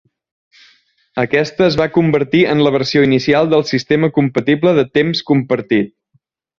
Aquesta es va convertir en la versió inicial del sistema compatible de temps compartit.